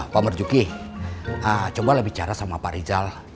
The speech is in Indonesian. pak merjuki coba bicara sama pak rizal